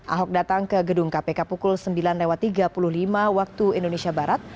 ahok datang ke gedung kpk pukul sembilan tiga puluh lima waktu indonesia barat